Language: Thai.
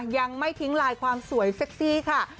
ยังไม่ทิ้งลายความสวยเซ็กซี่ค่ะ